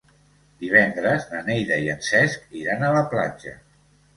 Divendres na Neida i en Cesc iran a la platja.